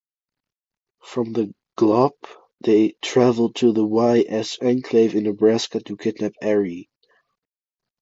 From the Glop they travel into the Y-S enclave in Nebraska to kidnap Ari.